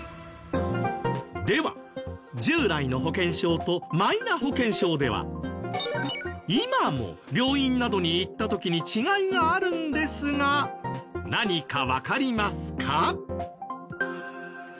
では従来の保険証とマイナ保険証では今も病院などに行った時に違いがあるんですが何かわかりますか？